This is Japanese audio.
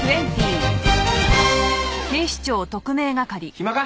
暇か？